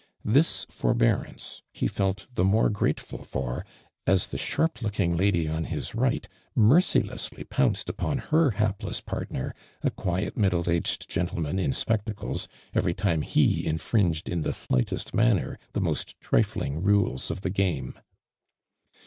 This forbearance he felt the more grateful for, as the sharp looking lady on his right mercilessly pounced upon her bapless partner, a quiet, middle aged gen tleman in spectacles, every time he infring ed in the slightest manner the most tri lling rules of the game.